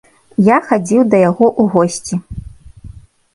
Я хадзіў да яго ў госці.